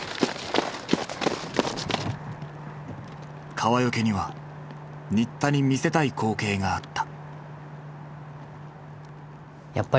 川除には新田に見せたい光景があった。